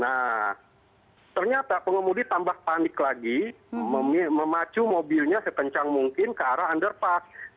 nah ternyata pengemudi tambah panik lagi memacu mobilnya sepencang mungkin ke arah underpass